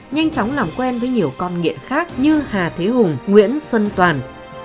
nhanh chóng làm quen với nhiều con nghiện khác như hà thế hùng nguyễn xuân toàn